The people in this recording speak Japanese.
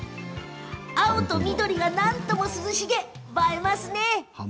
青と緑が何とも涼しげ映えますね。